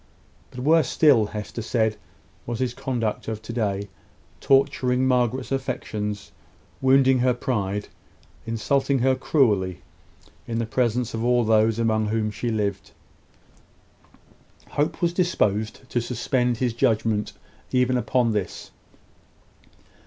But worse still, Hester said, was his conduct of to day, torturing Margaret's affection, wounding her pride, insulting her cruelly, in the presence of all those among whom she lived. Hope was disposed to suspend his judgment even upon this.